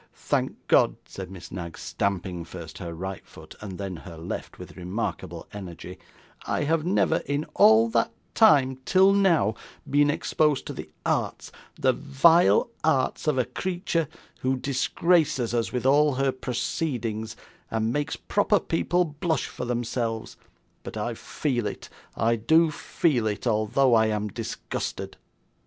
Thank God,' said Miss Knag, stamping first her right foot and then her left with remarkable energy, 'I have never in all that time, till now, been exposed to the arts, the vile arts, of a creature, who disgraces us with all her proceedings, and makes proper people blush for themselves. But I feel it, I do feel it, although I am disgusted.